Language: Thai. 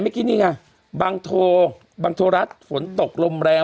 เมื่อกี้นี่ไงบางโทบางโทรัสฝนตกลมแรง